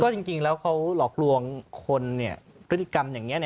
จริงแล้วเขาหลอกลวงคนพฤติกรรมอย่างนี้